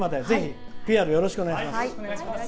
ＰＲ、ぜひよろしくお願いします。